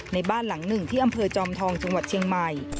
ในบ้านหลังหนึ่งที่อำเภอจอมทองจังหวัดเชียงใหม่